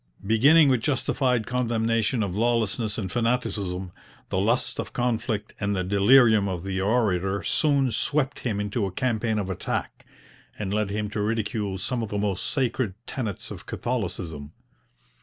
Beginning with justified condemnation of lawlessness and fanaticism, the lust of conflict and the delirium of the orator soon swept him into a campaign of attack, and led him to ridicule some of the most sacred tenets of Catholicism.